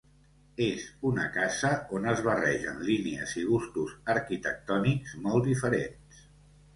És una casa on es barregen línies i gustos arquitectònics molt diferents.